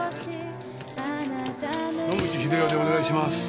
野口英世でお願いします。